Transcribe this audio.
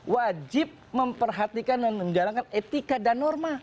wajib memperhatikan dan menjalankan etika dan norma